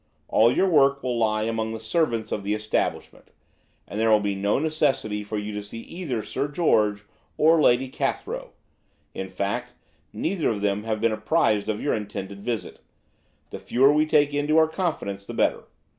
All your work will be among the servants of the establishment, and there will be no necessity for you to see either Sir George or Lady Cathrow–in fact, neither of them have been apprised of your intended visit–the fewer we take into our confidence the better.